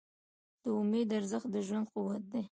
د امید ارزښت د ژوند قوت دی.